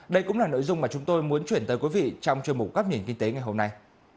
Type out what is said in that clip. đây cũng là nội dung mà chúng tôi muốn chuyển tới quý vị trong chuyên mục các nền kinh tế ngày hôm nay